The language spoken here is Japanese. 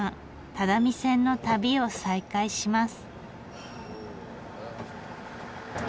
只見線の旅を再開します。